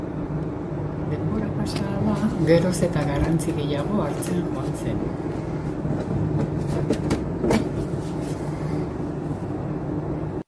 Denbora pasa ahala, geroz eta garrantzi gehiago hartzen joan zen.